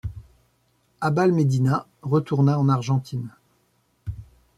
Abal Medina retourna en Argentine.